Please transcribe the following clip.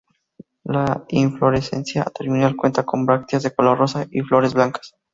La inflorescencia terminal cuenta con brácteas de color rosa y flores blancas.